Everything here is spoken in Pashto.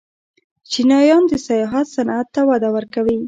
چینایان د سیاحت صنعت ته وده ورکوي.